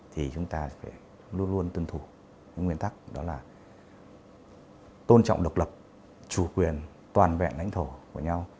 thì chúng ta phải luôn luôn tuân thủ những nguyên tắc đó là tôn trọng độc lập chủ quyền toàn vẹn lãnh thổ của nhau